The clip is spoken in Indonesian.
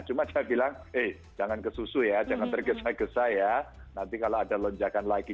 cuma saya bilang eh jangan kesusu ya jangan tergesa gesa ya nanti kalau ada lonjakan lagi